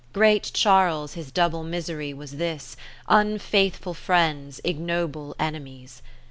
Great Charles his double misery was this, Unfaithful friends, ignoble enemies.